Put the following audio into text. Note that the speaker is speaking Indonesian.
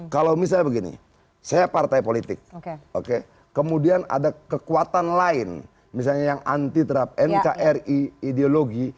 kalau misalnya begini saya partai politik oke kemudian ada kekuatan lain misalnya yang anti terap nkri ideologi